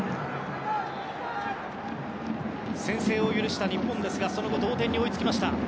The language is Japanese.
先制を許した日本ですがその後、同点に追いつきました。